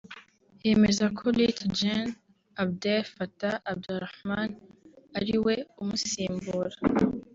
yemeza ko Lt Gen Abdel Fattah Abdelrahman ari we umusimbura